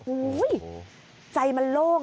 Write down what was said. อุ้ยใจมันโล่ง